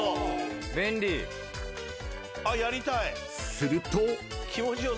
［すると］